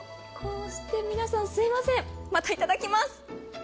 皆さんすみません、またいただきます。